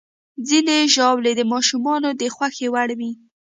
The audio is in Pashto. ځینې ژاولې د ماشومانو د خوښې وړ وي.